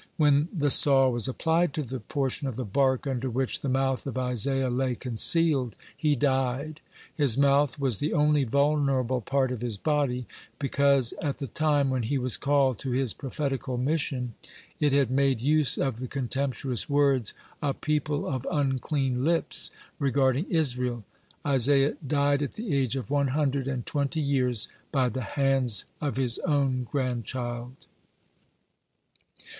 When the saw was applied to the portion of the bark under which the mouth of Isaiah lay concealed, he died. His mouth was the only vulnerable part of his body, because at the time when he was called to his prophetical mission, (103) it had made use of the contemptuous words "a people of unclean lips," regarding Israel. Isaiah died at the age of one hundred and twenty years, (104) by the hands of his own grandchild.